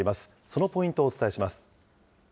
そのポイントをお伝えします。